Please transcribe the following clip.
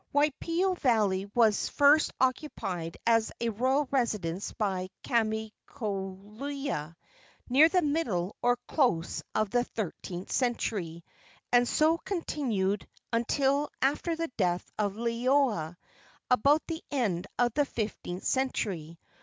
Waipio valley was first occupied as a royal residence by Kahaimoelea, near the middle or close of the thirteenth century, and so continued until after the death of Liloa, about the end of the fifteenth century.